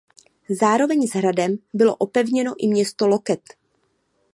Zároveň s hradem bylo opevněno i město Loket.